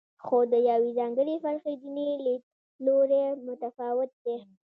خو د یوې ځانګړې فرقې دیني لیدلوری متفاوت دی.